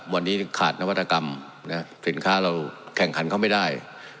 วันนี้ขาดนวัตกรรมสินค้าเราแข่งขันเขาไม่ได้